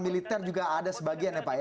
militer juga ada sebagian ya pak ya